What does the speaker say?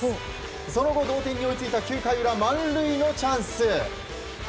その後、同点に追いついた９回裏、満塁のチャンス。